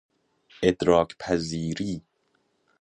ادراک پذیری